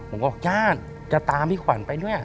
ผมบอกญาติจะตามพี่ขวัญไปด้วย